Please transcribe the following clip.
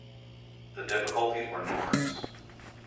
The difficulties were numerous.